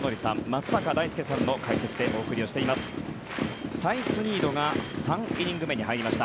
松坂大輔さんの解説でお送りしています。